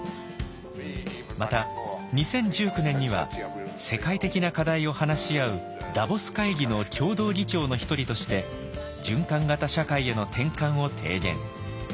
また２０１９年には世界的な課題を話し合うダボス会議の共同議長の一人として循環型社会への転換を提言。